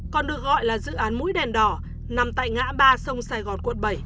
còn được gọi là dự án mũi đèn đỏ nằm tại ngã ba sông sài gòn quận bảy